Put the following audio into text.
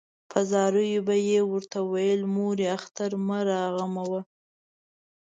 په زاریو کې به یې ورته ویل مورې اختر مه راغموه.